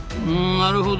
なるほど。